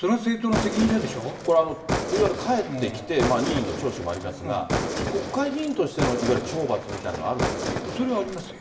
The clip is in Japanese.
これ、いわゆる帰ってきて、任意の聴取もありますが、国会議員としてのいわゆる懲罰みたいなそれはありますよ。